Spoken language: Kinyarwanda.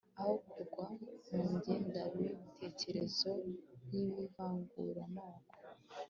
aho kugwa mu ngengabitekerezo y'ivanguramoko